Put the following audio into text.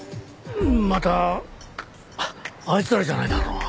またあいつらじゃないだろうな。